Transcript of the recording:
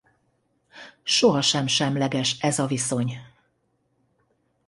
Sohasem semleges ez a viszony.